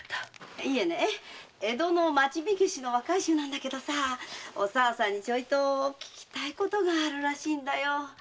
いえね江戸の町火消しの若い衆なんだけどさおさわさんにちょいと聞きたいことがあるらしいんだよ。